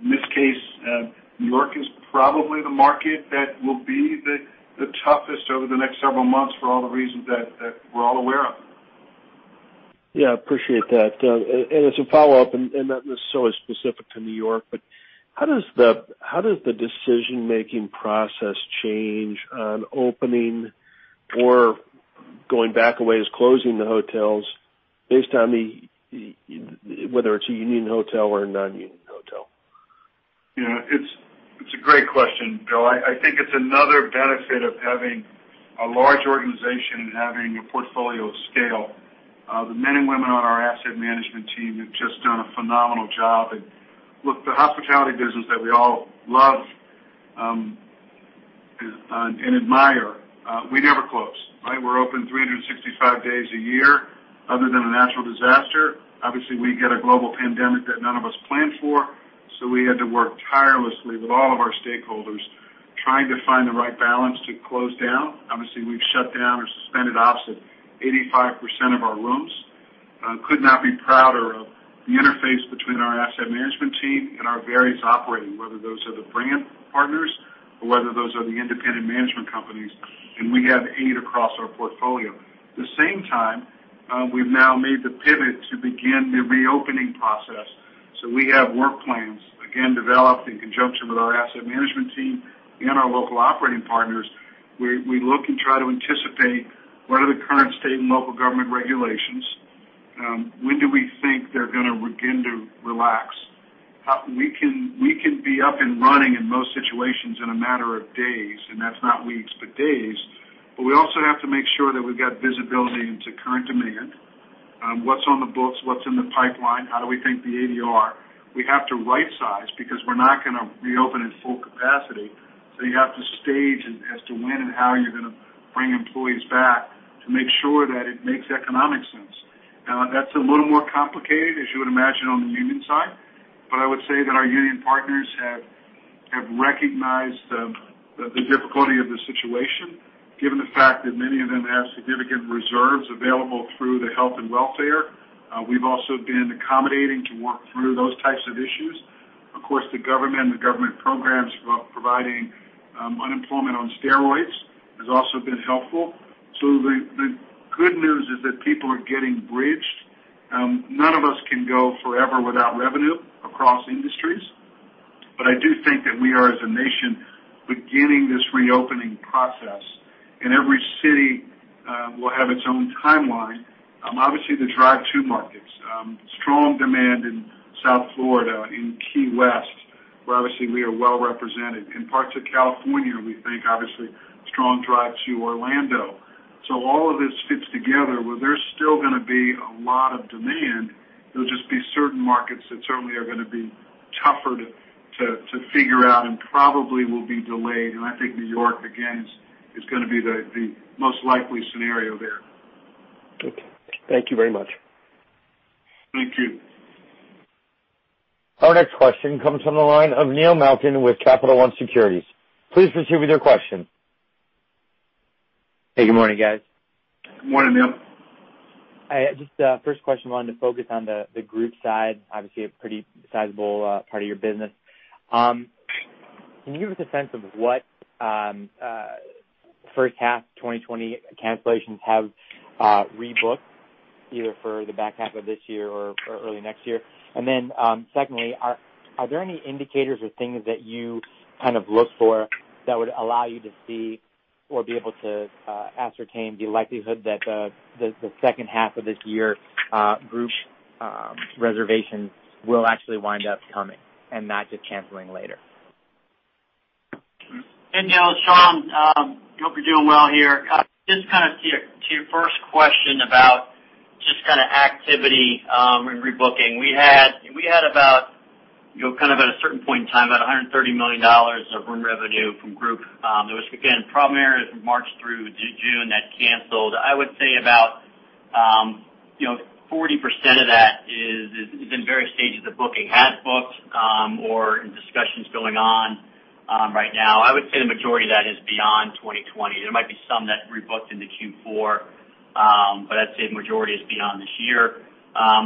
this case, New York is probably the market that will be the toughest over the next several months for all the reasons that we're all aware of. Yeah, appreciate that. As a follow-up, and not necessarily specific to New York, but how does the decision-making process change on opening or going back a ways, closing the hotels based on whether it's a union hotel or a non-union hotel? It's a great question, Bill. I think it's another benefit of having a large organization and having a portfolio of scale. The men and women on our asset management team have just done a phenomenal job. Look, the hospitality business that we all love and admire, we never close, right? We're open 365 days a year, other than a natural disaster. Obviously, we get a global pandemic that none of us planned for, we had to work tirelessly with all of our stakeholders, trying to find the right balance to close down. Obviously, we've shut down or suspended ops at 85% of our rooms. Could not be prouder of the interface between our asset management team and our various operating, whether those are the brand partners or whether those are the independent management companies, and we have eight across our portfolio. At the same time, we've now made the pivot to begin the reopening process. We have work plans, again, developed in conjunction with our asset management team and our local operating partners. We look and try to anticipate what are the current state and local government regulations, when do we think they're going to begin to relax. We can be up and running in most situations in a matter of days, and that's not weeks, but days. We also have to make sure that we've got visibility into current demand. What's on the books, what's in the pipeline? How do we think the ADR? We have to right-size because we're not going to reopen at full capacity. You have to stage as to when and how you're going to bring employees back to make sure that it makes economic sense. That's a little more complicated, as you would imagine, on the union side. I would say that our union partners have recognized the difficulty of the situation, given the fact that many of them have significant reserves available through the health and welfare. We've also been accommodating to work through those types of issues. Of course, the government and the government programs providing unemployment on steroids has also been helpful. The good news is that people are getting bridged. None of us can go forever without revenue across industries. I do think that we are, as a nation, beginning this reopening process, and every city will have its own timeline. Obviously, the drive to markets, strong demand in South Florida, in Key West, where obviously we are well represented. In parts of California, we think obviously strong drive to Orlando. All of this fits together where there's still going to be a lot of demand. There'll just be certain markets that certainly are going to be tougher to figure out and probably will be delayed. I think New York, again, is going to be the most likely scenario there. Okay. Thank you very much. Thank you. Our next question comes from the line of Neil Malkin with Capital One Securities. Please proceed with your question. Hey, good morning, guys. Good morning, Neil. Hi. Just first question, wanted to focus on the group side, obviously a pretty sizable part of your business. Can you give us a sense of what first half 2020 cancellations have rebooked, either for the back half of this year or early next year? Secondly, are there any indicators or things that you kind of look for that would allow you to see or be able to ascertain the likelihood that the second half of this year group reservations will actually wind up coming and not just canceling later? Hey, Neil, it's Sean. Hope you're doing well here. Just kind of to your first question about just kind of activity and rebooking. We had about, kind of at a certain point in time, about $130 million of room revenue from group. It was, again, primarily from March through June that canceled. I would say about 40% of that is in various stages of booking, half booked or in discussions going on right now. I would say the majority of that is beyond 2020. There might be some that rebooked into Q4, but I'd say the majority is beyond this year.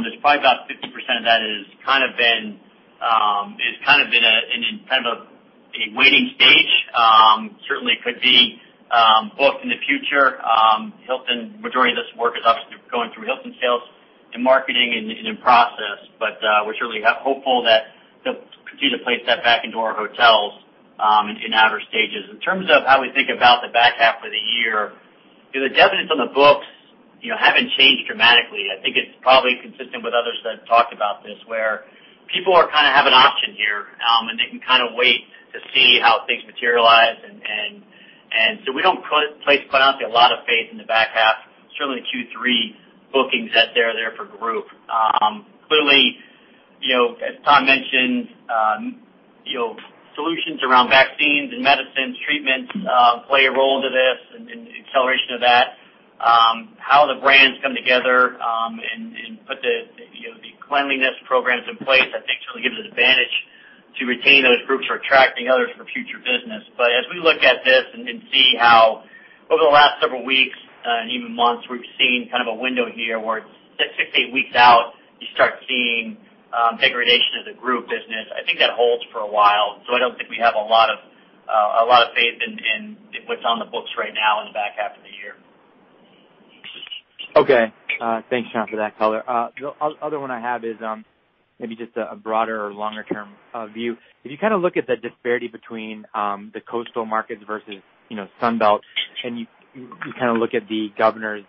There's probably about 50% of that is kind of in a waiting stage. Certainly could be booked in the future. Majority of this work is obviously going through Hilton sales and marketing and in process, but we're certainly hopeful that they'll continue to place that back into our hotels in outer stages. In terms of how we think about the back half of the year, the deficits on the books haven't changed dramatically. I think it's probably consistent with others that have talked about this, where people kind of have an option here, and they can kind of wait to see how things materialize. We don't place, quite honestly, a lot of faith in the back half, certainly Q3 bookings that are there for group. Clearly, as Tom mentioned, solutions around vaccines and medicines, treatments play a role into this and acceleration of that. How the brands come together and put the cleanliness programs in place I think certainly gives an advantage to retain those groups or attracting others for future business. As we look at this and see how over the last several weeks and even months, we've seen kind of a window here where 6 to 8 weeks out, you start seeing degradation of the group business. I think that holds for a while. I don't think we have a lot of faith in what's on the books right now in the back half of the year. Okay. Thanks, Sean, for that color. The other one I have is maybe just a broader or longer-term view. If you look at the disparity between the coastal markets versus Sun Belt, and you look at the governors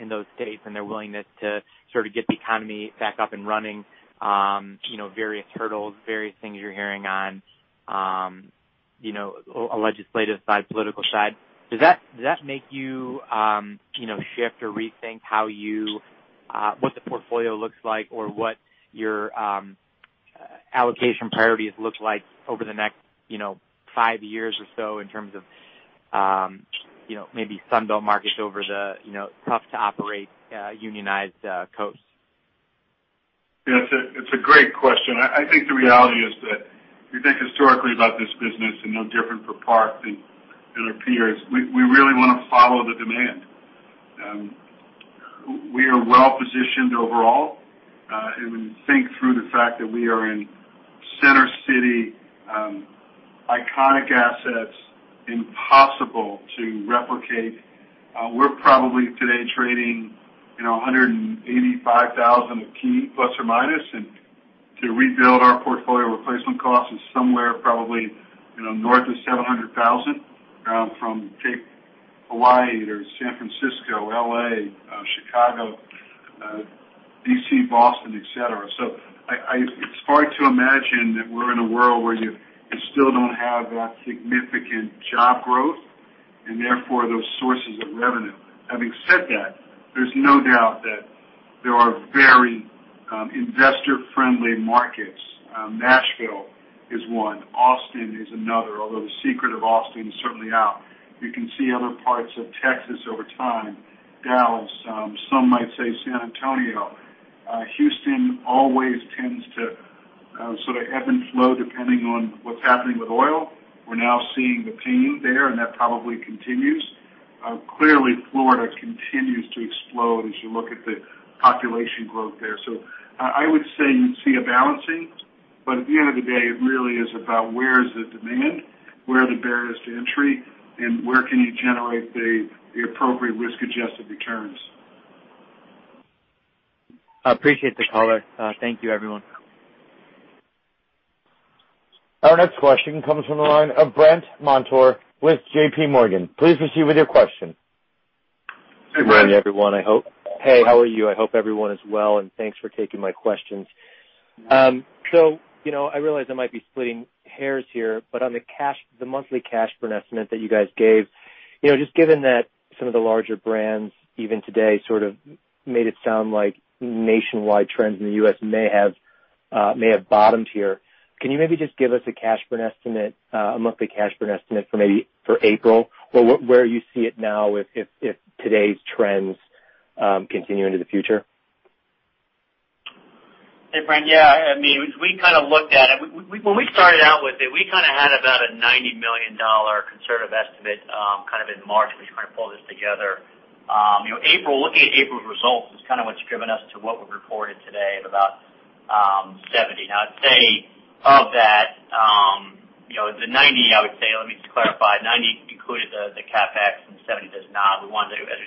in those states and their willingness to sort of get the economy back up and running, various hurdles, various things you're hearing on a legislative side, political side, does that make you shift or rethink what the portfolio looks like or what your allocation priorities look like over the next five years or so in terms of maybe Sun Belt markets over the tough-to-operate unionized coasts? It's a great question. I think the reality is that if you think historically about this business, and no different for Park than our peers, we really want to follow the demand. We are well-positioned overall. When you think through the fact that we are in Center City, iconic assets, impossible to replicate. We're probably today trading $185,000 a key, plus or minus, and to rebuild our portfolio replacement cost is somewhere probably north of $700,000, from take Hawaii to San Francisco, L.A., Chicago, D.C., Boston, et cetera. It's hard to imagine that we're in a world where you still don't have that significant job growth, and therefore those sources of revenue. Having said that, there's no doubt that there are very investor-friendly markets. Nashville is one, Austin is another, although the secret of Austin is certainly out. You can see other parts of Texas over time. Dallas, some might say San Antonio. Houston always tends to sort of ebb and flow depending on what's happening with oil. We're now seeing the pain there, and that probably continues. Clearly, Florida continues to explode as you look at the population growth there. I would say you'd see a balancing, but at the end of the day, it really is about where is the demand, where are the barriers to entry, and where can you generate the appropriate risk-adjusted returns. I appreciate the color. Thank you, everyone. Our next question comes from the line of Brandt Montour with JPMorgan. Please proceed with your question. Hey, Brandt. Good morning, everyone, I hope. Hey, how are you? I hope everyone is well, and thanks for taking my questions. I realize I might be splitting hairs here, but on the monthly cash burn estimate that you guys gave, just given that some of the larger brands even today sort of made it sound like nationwide trends in the U.S. may have bottomed here, can you maybe just give us a monthly cash burn estimate for maybe for April? Or where you see it now if today's trends continue into the future? Hey, Brandt. Yeah, we kind of looked at it. When we started out with it, we kind of had about a $90 million conservative estimate kind of in March as we tried to pull this together. Looking at April's results is kind of what's driven us to what we've reported today at about $70. Now, I'd say of that, the $90, I would say, let me just clarify, $90 included the CapEx and $70 does not. As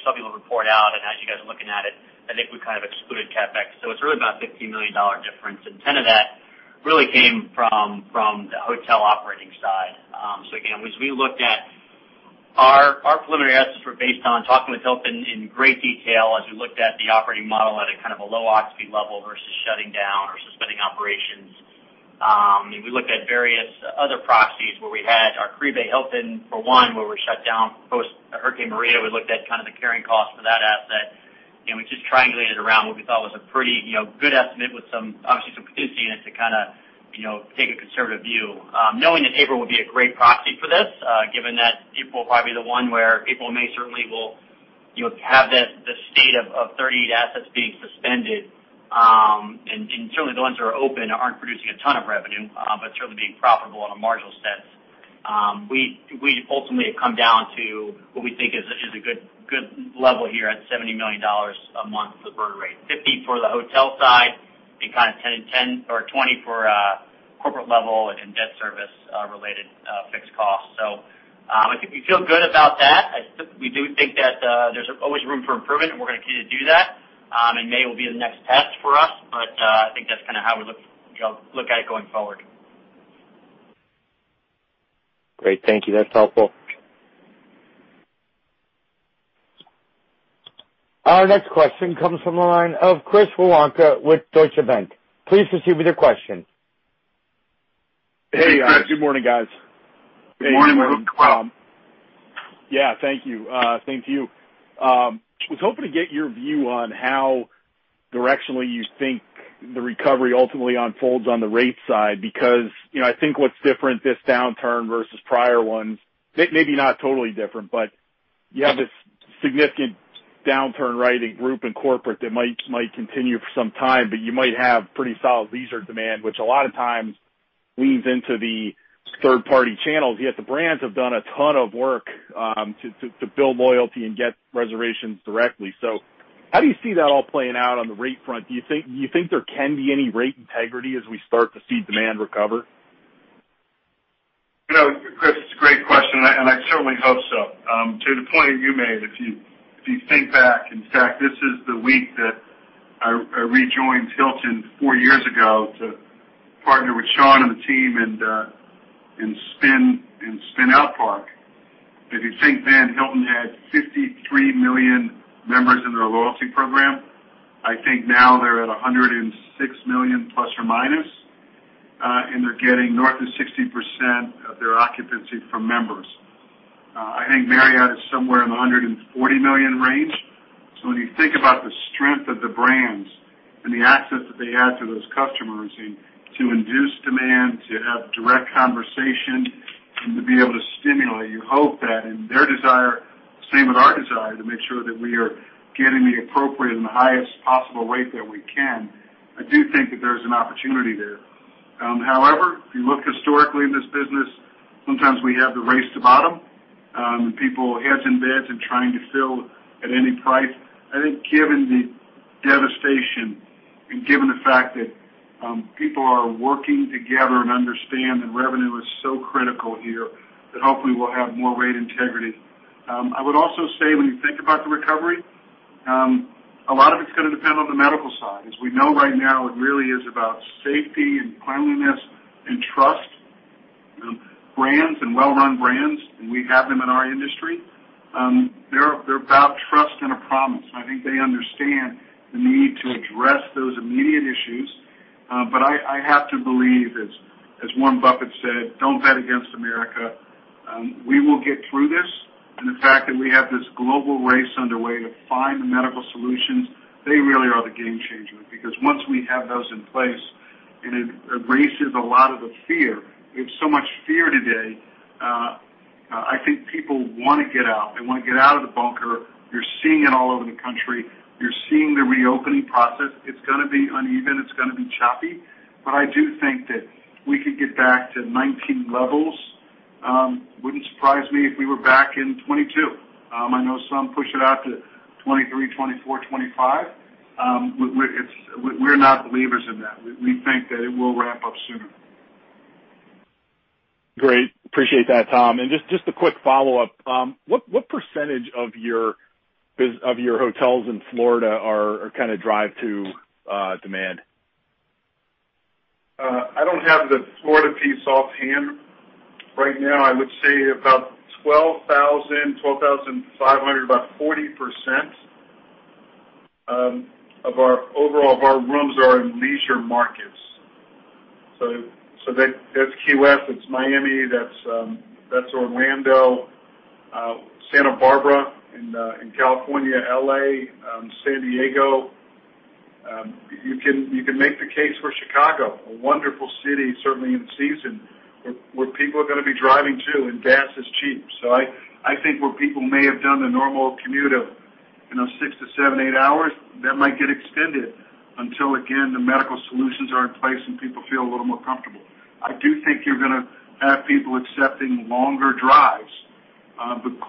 some people report out and as you guys are looking at it, I think we kind of excluded CapEx. It's really about a $15 million difference, and 10 of that really came from the hotel operating side. Again, as we looked at our preliminary estimates were based on talking with Hilton in great detail as we looked at the operating model at a kind of a low occupancy level versus shutting down or suspending operations. We looked at various other proxies where we had our Caribe Hilton, for one, where we're shut down post Hurricane Maria. We looked at kind of the carrying cost for that asset, and we just triangulated around what we thought was a pretty good estimate with obviously some prudency in it to kind of take a conservative view. Knowing that April would be a great proxy for this given that April will probably be the one where people may certainly will have the state of 38 assets being suspended, and certainly the ones that are open aren't producing a ton of revenue, but certainly being profitable on a marginal sense. We ultimately have come down to what we think is a good level here at $70 million a month, the burn rate, $50 for the hotel side, and kind of $10 or $20 for corporate level and debt service-related fixed costs. We feel good about that. We do think that there's always room for improvement, and we're going to continue to do that, and May will be the next test for us. I think that's kind of how we look at it going forward. Great. Thank you. That's helpful. Our next question comes from the line of Chris Woronka with Deutsche Bank. Please proceed with your question. Hey, Chris. Good morning, guys. Good morning. Welcome. Yeah. Thank you. I was hoping to get your view on how directionally you think the recovery ultimately unfolds on the rate side, because I think what's different this downturn versus prior ones, maybe not totally different, but you have this significant downturn riding group and corporate that might continue for some time, but you might have pretty solid leisure demand, which a lot of times leans into the third-party channels, yet the brands have done a ton of work to build loyalty and get reservations directly. How do you see that all playing out on the rate front? Do you think there can be any rate integrity as we start to see demand recover? Chris, it's a great question, and I certainly hope so. To the point you made, if you think back, in fact, this is the week that I rejoined Hilton four years ago to partner with Sean and the team and spin out Park. If you think then, Hilton had 53 million members in their loyalty program. I think now they're at 106 million, plus or minus, and they're getting north of 60% of their occupancy from members. I think Marriott is somewhere in the 140 million range. When you think about the strength of the brands and the access that they have to those customers, and to induce demand, to have direct conversation, and to be able to stimulate, you hope that in their desire, same with our desire, to make sure that we are getting the appropriate and the highest possible rate that we can. I do think that there's an opportunity there. However, if you look historically in this business, sometimes we have the race to bottom, with people heads in beds and trying to fill at any price. I think given the devastation and given the fact that people are working together and understand that revenue is so critical here, that hopefully we'll have more rate integrity. I would also say when you think about the recovery, a lot of it's going to depend on the medical side. As we know right now, it really is about safety and cleanliness and trust. Brands and well-run brands, and we have them in our industry, they're about trust and a promise, and I think they understand the need to address those immediate issues. I have to believe, as Warren Buffett said, "Don't bet against America." We will get through this, and the fact that we have this global race underway to find the medical solutions, they really are the game changer because once we have those in place, it erases a lot of the fear. We have so much fear today. I think people want to get out. They want to get out of the bunker. You're seeing it all over the country. You're seeing the reopening process. It's going to be uneven, it's going to be choppy. I do think that we could get back to 2019 levels. Wouldn't surprise me if we were back in 2022. I know some push it out to 2023, 2024, 2025. We're not believers in that. We think that it will wrap up sooner. Great. Appreciate that, Tom. Just a quick follow-up. What percent of your hotels in Florida are drive to demand? I don't have the Florida piece offhand. Right now, I would say about 12,000, 12,500, about 40% overall of our rooms are in leisure markets. That's Key West, that's Miami, that's Orlando, Santa Barbara in California, L.A., San Diego. You can make the case for Chicago, a wonderful city, certainly in season, where people are going to be driving too, and gas is cheap. I think where people may have done the normal commute of six to seven, eight hours, that might get extended until, again, the medical solutions are in place and people feel a little more comfortable. I do think you're going to have people accepting longer drives.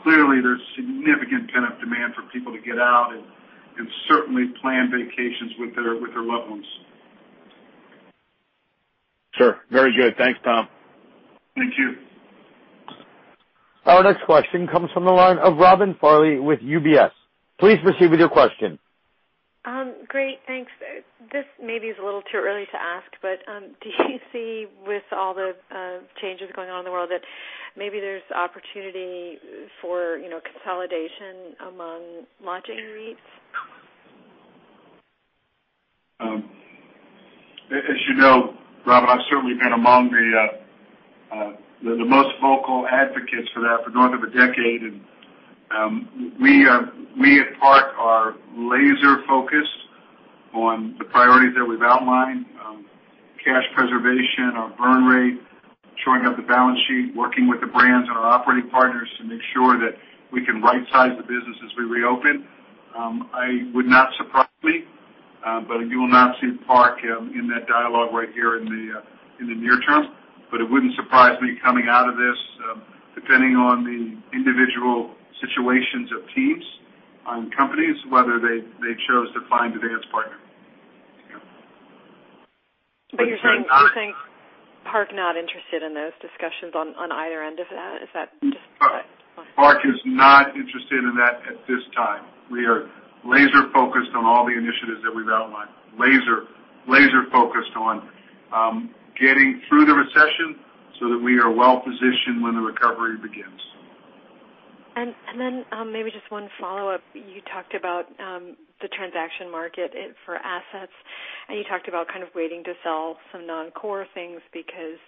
Clearly, there's significant pent-up demand for people to get out and certainly plan vacations with their loved ones. Sure. Very good. Thanks, Tom. Thank you. Our next question comes from the line of Robin Farley with UBS. Please proceed with your question. Great. Thanks. This maybe is a little too early to ask, but do you see with all the changes going on in the world, that maybe there's opportunity for consolidation among lodging REITs? As you know, Robin, I've certainly been among the most vocal advocates for that for north of a decade. We at Park are laser focused on the priorities that we've outlined. Cash preservation, our burn rate, shoring up the balance sheet, working with the brands and our operating partners to make sure that we can right size the business as we reopen. It would not surprise me, but you will not see Park in that dialogue right here in the near term. It wouldn't surprise me coming out of this, depending on the individual situations of teams, on companies, whether they chose to find a dance partner. Yeah. You're saying Park not interested in those discussions on either end of that? Park is not interested in that at this time. We are laser focused on all the initiatives that we've outlined. Laser focused on getting through the recession so that we are well-positioned when the recovery begins. Maybe just one follow-up. You talked about the transaction market for assets, and you talked about waiting to sell some non-core things because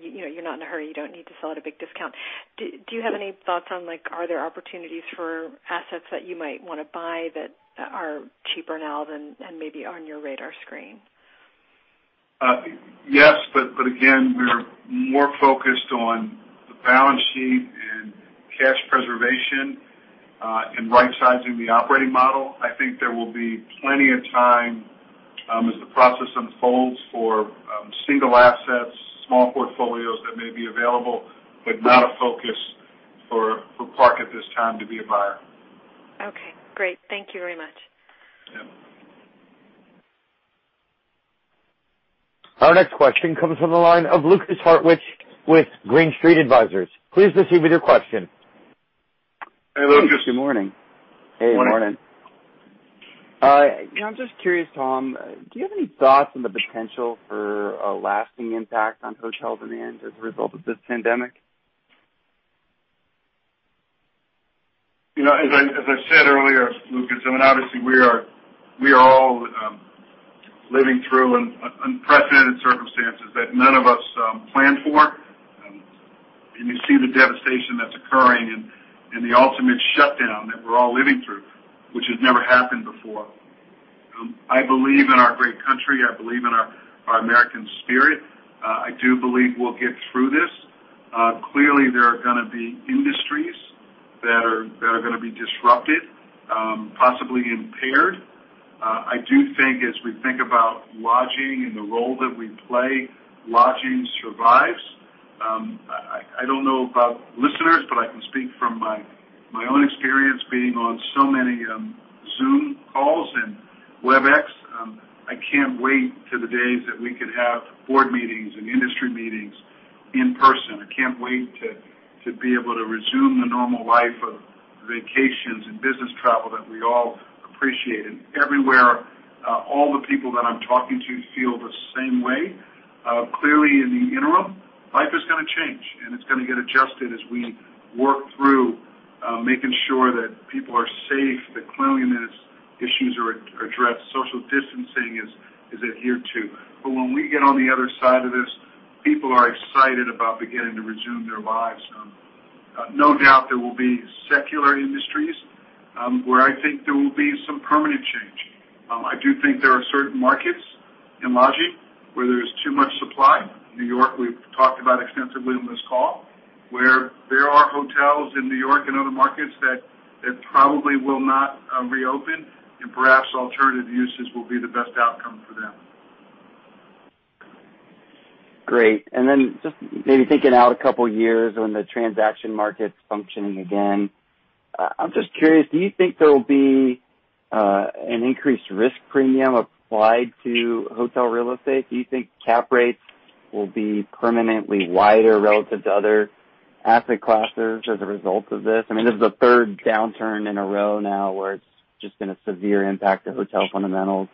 you're not in a hurry, you don't need to sell at a big discount. Do you have any thoughts on are there opportunities for assets that you might want to buy that are cheaper now than maybe on your radar screen? Yes, again, we're more focused on the balance sheet and cash preservation, and right-sizing the operating model. I think there will be plenty of time as the process unfolds for single assets, small portfolios that may be available, but not a focus for Park at this time to be a buyer. Okay, great. Thank you very much. Yeah. Our next question comes from the line of Lukas Hartwich with Green Street Advisors. Please proceed with your question. Hey, Lukas. Good morning. Morning. Hey. Morning. I'm just curious, Tom, do you have any thoughts on the potential for a lasting impact on hotel demand as a result of this pandemic? As I said earlier, Lukas, I mean obviously we are all living through unprecedented circumstances that none of us planned for. You see the devastation that's occurring and the ultimate shutdown that we're all living through, which has never happened before. I believe in our great country. I believe in our American spirit. I do believe we'll get through this. Clearly, there are going to be industries that are going to be disrupted, possibly impaired. I do think as we think about lodging and the role that we play, lodging survives. I don't know about listeners, but I can speak from my own experience being on so many Zoom calls and Webex. I can't wait till the days that we could have board meetings and industry meetings in person. I can't wait to be able to resume the normal life of vacations and business travel that we all appreciate. Everywhere, all the people that I'm talking to feel the same way. Clearly in the interim, life is going to change, and it's going to get adjusted as we work through making sure that people are safe, that cleanliness issues are addressed, social distancing is adhered to. When we get on the other side of this, people are excited about beginning to resume their lives. No doubt there will be secular industries, where I think there will be some permanent change. I do think there are certain markets in lodging where there's too much supply. New York, we've talked about extensively on this call, where there are hotels in New York and other markets that probably will not reopen, and perhaps alternative uses will be the best outcome for them. Just maybe thinking out a couple of years when the transaction market's functioning again, I'm just curious, do you think there will be an increased risk premium applied to hotel real estate? Do you think cap rates will be permanently wider relative to other asset classes as a result of this? I mean, this is the third downturn in a row now where it's just been a severe impact to hotel fundamentals.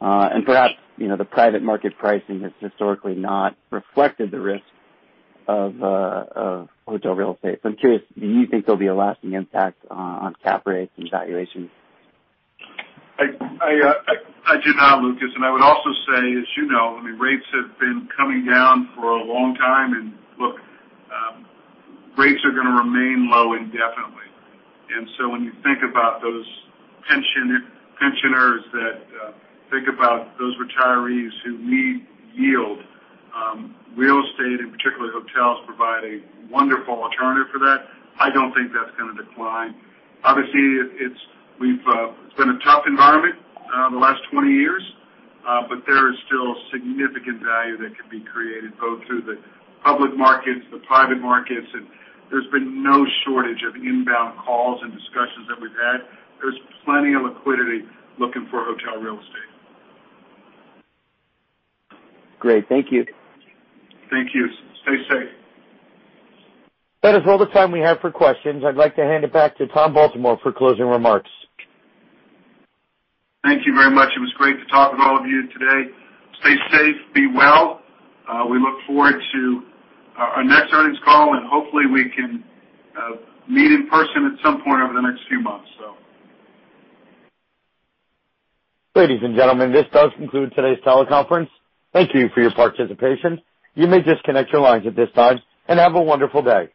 Perhaps, the private market pricing has historically not reflected the risk of hotel real estate. I'm curious, do you think there'll be a lasting impact on cap rates and valuations? I do not, Lukas. I would also say, as you know, I mean, rates have been coming down for a long time, look, rates are going to remain low indefinitely. When you think about those pensioners, think about those retirees who need yield. Real estate, and particularly hotels, provide a wonderful alternative for that. I don't think that's going to decline. Obviously, it's been a tough environment the last 20 years. There is still significant value that can be created both through the public markets, the private markets, and there's been no shortage of inbound calls and discussions that we've had. There's plenty of liquidity looking for hotel real estate. Great. Thank you. Thank you. Stay safe. That is all the time we have for questions. I'd like to hand it back to Tom Baltimore for closing remarks. Thank you very much. It was great to talk with all of you today. Stay safe. Be well. We look forward to our next earnings call, and hopefully we can meet in person at some point over the next few months. Ladies and gentlemen, this does conclude today's teleconference. Thank you for your participation. You may disconnect your lines at this time, and have a wonderful day.